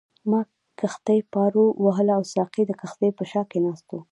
ما کښتۍ پارو وهله او ساقي د کښتۍ په شا کې ناست وو.